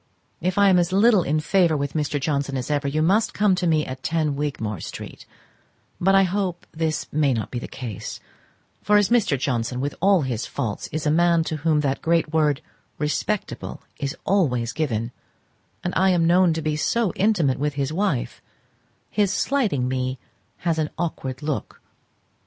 If I am as little in favour with Mr. Johnson as ever, you must come to me at 10 Wigmore street; but I hope this may not be the case, for as Mr. Johnson, with all his faults, is a man to whom that great word "respectable" is always given, and I am known to be so intimate with his wife, his slighting me has an awkward look.